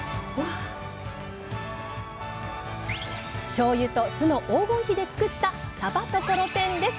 しょうゆと酢の黄金比で作った「さばところてん」です！